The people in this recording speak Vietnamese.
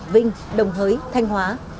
vinh đồng hới thanh hóa